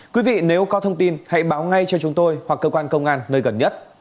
quý vị nếu có thông tin hãy báo ngay cho chúng tôi hoặc cơ quan công an nơi gần nhất